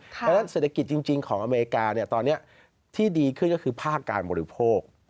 เพราะฉะนั้นเศรษฐกิจจริงของอเมริกาตอนนี้ที่ดีขึ้นก็คือภาคการบริโภค